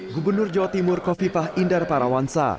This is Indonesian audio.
gubernur jawa timur kofifah indar parawansa